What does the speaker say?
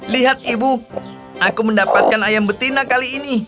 lihat ibu aku mendapatkan ayam betina kali ini